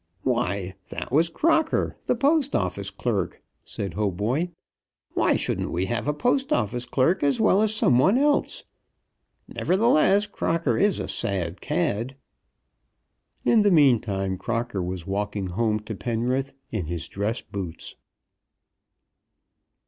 "Why, that was Crocker, the Post Office clerk," said Hautboy. "Why shouldn't we have a Post Office clerk as well as some one else? Nevertheless, Crocker is a sad cad." In the mean time Crocker was walking home to Penrith in his dress boots.